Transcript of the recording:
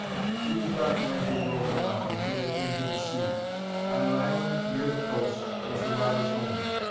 Through the dark night they drove them on, until they came to the sea. On an island near the coast was the robbers' home.